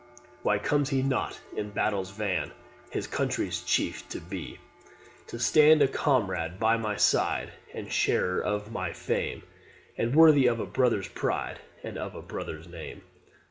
Why comes he not in battle's van His country's chief to be? To stand a comrade by my side, The sharer of my fame, And worthy of a brother's pride And of a brother's name?